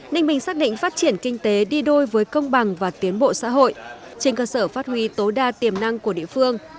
ninh bình xác định phát triển kinh tế đi đôi với công bằng và tiến bộ xã hội trên cơ sở phát huy tối đa tiềm năng của địa phương